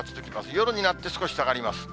夜になって少し下がります。